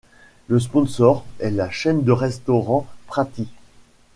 Le sponsor est la chaîne de restaurants Praties.